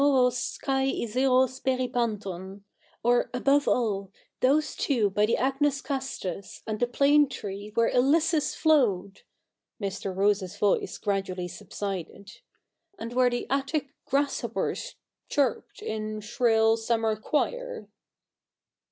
opos Kul oit, vf)6s Trept TravTwv, or, above all, those two by the agnus castus and the plane tree where llyssus flowed,' — Mr. Rose's voice gradually subsided, —• and where the Attic grasshoppers chirped in shrill summer choir.'